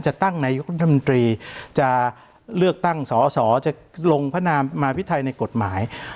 จะตั้งนายกรัฐมนตรีจะเลือกตั้งสอสอจะลงพระนามมาพิไทยในกฎหมาย